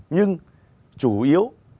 nhưng chủ yếu